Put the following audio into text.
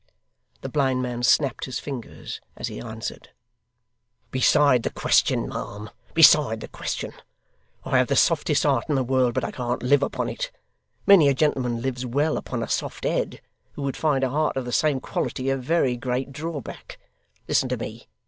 The blind man snapped his fingers as he answered: ' Beside the question, ma'am, beside the question. I have the softest heart in the world, but I can't live upon it. Many a gentleman lives well upon a soft head, who would find a heart of the same quality a very great drawback. Listen to me.